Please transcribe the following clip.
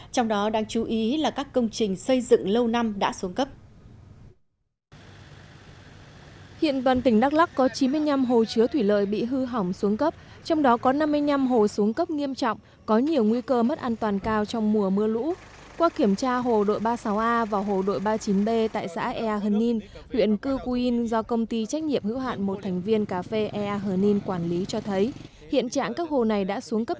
trong đó đang chú ý là các công trình xây dựng lâu năm đã xuống cấp